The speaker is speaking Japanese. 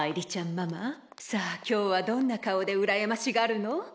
ママさあ今日はどんな顔でうらやましがるの？